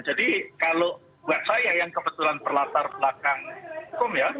jadi kalau buat saya yang kebetulan berlatar belakang hukum ya